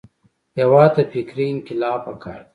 هېواد ته فکري انقلاب پکار دی